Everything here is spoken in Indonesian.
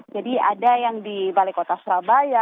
ada yang di balai kota surabaya